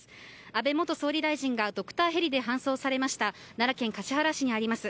安倍元総理大臣がドクターヘリで搬送されました奈良県橿原市にあります